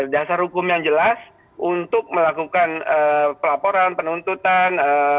dasar hukum yang jelas untuk melakukan pelaporan penuntutan